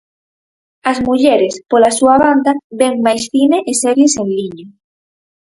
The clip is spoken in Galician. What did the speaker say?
As mulleres, pola súa banda, ven máis cine e series en liña.